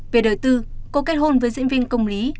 về đời tư cô kết hôn với diễn viên công lý